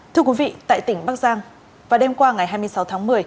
thưa quý vị tại tỉnh bắc giang vào đêm qua ngày hai mươi sáu tháng một mươi